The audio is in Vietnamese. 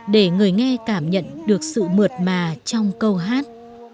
để người nghe cảm nhận được sự mượt mà trong câu hát